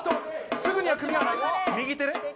すぐには組み合わない。